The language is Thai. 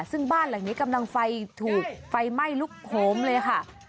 ซึ่งบ้านหลังนี้กำลังไฟถูกไฟไหม้ลุกโหมเลยค่ะ